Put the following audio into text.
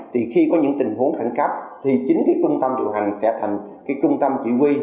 thì khi có những tình huống khẳng cấp thì chính cái trung tâm điều hành sẽ thành cái trung tâm chỉ huy